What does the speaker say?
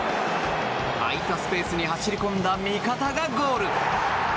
空いたスペースに走り込んだ味方がゴール！